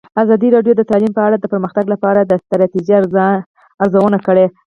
ازادي راډیو د تعلیم په اړه د پرمختګ لپاره د ستراتیژۍ ارزونه کړې.